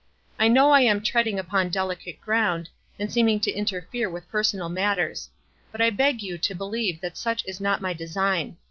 "I know 1 am treacling upon delicate ground, and seem ing to interfere with personal matters ; but [ beg you to believe that such is not my design.